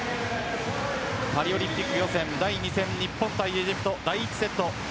パリオリンピック予選第２戦、日本対エジプト第１セット。